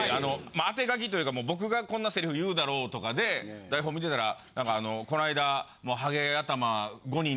あて書きというか僕がこんなセリフ言うだろうとかで台本見てたら。